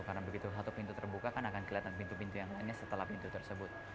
karena begitu satu pintu terbuka kan akan keliatan pintu pintu yang lainnya setelah pintu tersebut